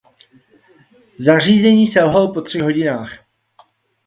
Zařízení selhalo po třech hodinách.